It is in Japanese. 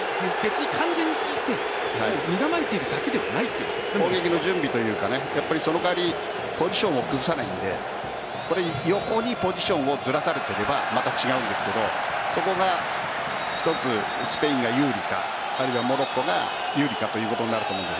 完全に引いて身構えているだけではない攻撃の準備というかその代わりポジションを崩さないので横にポジションをずらされていればまた違うんですけどそこが一つ、スペインが有利かあるいはモロッコが有利かというところになると思うんです。